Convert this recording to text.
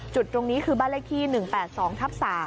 จุดตรงนี้คือบ้านเลขที่๑๘๒ทับ๓